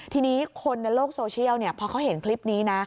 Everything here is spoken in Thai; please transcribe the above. ทีนี้คนในโลกโซเชียลพอเขาเห็นคลิปนี้นะ